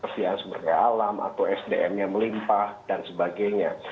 sosial sumber daya alam atau sdm nya melimpah dan sebagainya